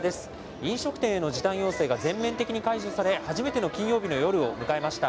飲食店への時短要請が全面的に解除され、初めての金曜日の夜を迎えました。